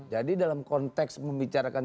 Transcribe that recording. jadi dalam konteks membicarakan